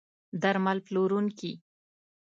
درمل پلورونکي